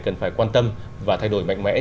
cần phải quan tâm và thay đổi mạnh mẽ